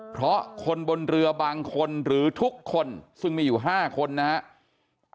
เพราะคนบนเรือบางคนหรือทุกคนซึ่งมีอยู่๕คนนะครับ